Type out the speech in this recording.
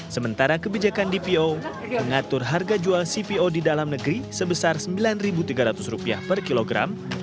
sementara kebijakan dpo mengatur harga jual cpo di dalam negeri sebesar rp sembilan tiga ratus per kilogram